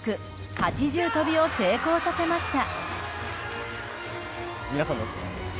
８重跳びを成功させました。